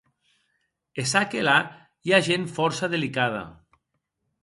E ça que la, i a gent fòrça delicada.